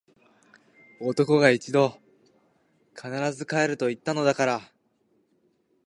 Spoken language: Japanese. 男が一度・・・！！！必ず帰ると言ったのだから！！！